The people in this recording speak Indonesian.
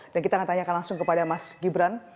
dan kita ngetanyakan langsung kepada mas gibran